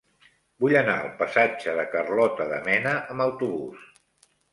Vull anar al passatge de Carlota de Mena amb autobús.